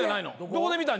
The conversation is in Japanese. どこで見たん？